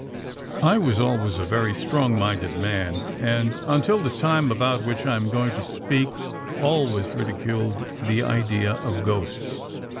"I was always a very strong minded man, and, until the time about which I am going to speak, always ridiculed the idea of ghosts.